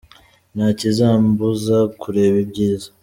Ntakizambuza kureba ibyiza.